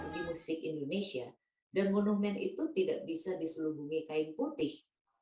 di musik indonesia dan monumen itu tidak bisa diselubungi kain putih